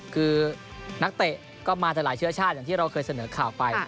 คือนักเตะก็มาแต่หลายเชื้อชาติอย่างที่เราเคยเสนอข่าวไป